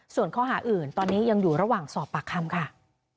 ส่วนข้อหาอื่นตอนนี้ยังอยู่ระหว่างสอบปากคำค่ะ